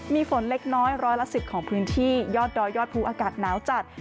มีฝนเล็กน้อยร้อยละ๑๐ของพื้นที่ยอดดอยยอดภูอากาศหนาวจัด